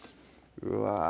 うわ